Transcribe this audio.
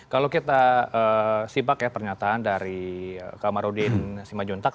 kalau kita sibak ya pernyataan dari kak marudin simajuntak